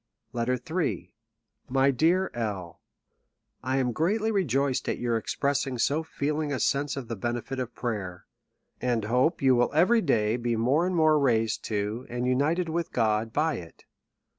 LETTER in. Ml/ dear L ■'1 AM greatly rejoiced at your expressing so feeling a sense of the benefit of prayer; and hope you will every day be more and more raised to, and united with God, by it.